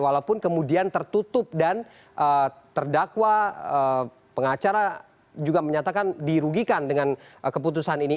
walaupun kemudian tertutup dan terdakwa pengacara juga menyatakan dirugikan dengan keputusan ini